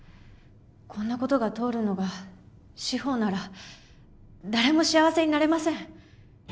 こんなことが通るのが司法なら誰も幸せになれません